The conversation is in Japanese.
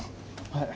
はい。